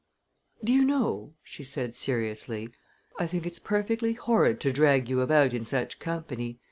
"Do you know," she said seriously, "I think it's perfectly horrid to drag you about in such company!